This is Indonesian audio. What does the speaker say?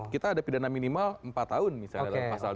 kita ada pidana minimal empat tahun misalnya dalam pasal dua